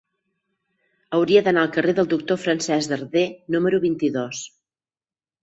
Hauria d'anar al carrer del Doctor Francesc Darder número vint-i-dos.